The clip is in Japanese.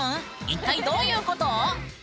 一体どういうこと？